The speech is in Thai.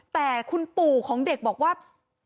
แต่คุณปู่ของเด็กบอกว่ามันขนาดนั้นเลยหรือ